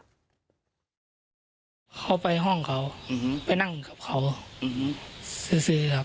แล้วทำไมเขาต้องบอกว่าช่วยด้วยครับ